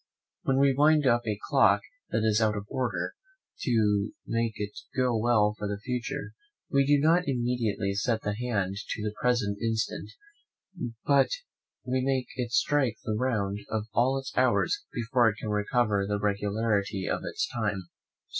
When we wind up a clock that is out of order, to make it go well for the future, we do not immediately set the hand to the present instant, but we make it strike the round of all its hours, before it can recover the regularity of its time.